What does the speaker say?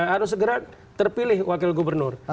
harus segera terpilih wakil gubernur